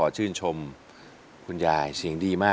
เธ้จบทั้งนี้